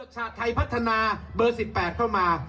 ชาติไทยพัฒนาเบอร์๑๘เข้ามา